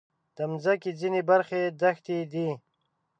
د مځکې ځینې برخې دښتې دي.